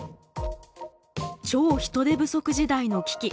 「超・人手不足時代」の危機。